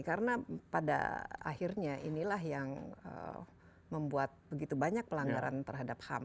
karena pada akhirnya inilah yang membuat begitu banyak pelanggaran terhadap ham